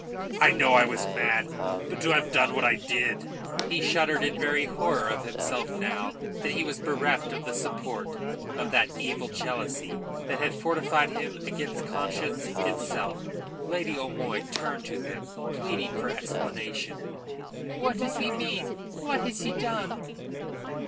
"I know I was mad. But to have done what I did " He shuddered in very horror of himself now that he was bereft of the support of that evil jealousy that had fortified him against conscience itself and the very voice of honour. Lady O'Moy turned to them, pleading for explanation. "What does he mean? What has he done?"